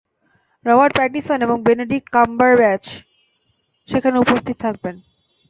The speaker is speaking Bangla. রবার্ট প্যাটিনসন এবং বেনেডিক্ট কাম্বারব্যাচ সেখানে উপস্থিত থাকবেন।